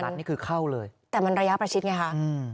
ใช่ค่ะแต่มันระยะประชิดไงค่ะ